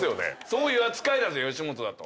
そういう扱いなんです吉本だと。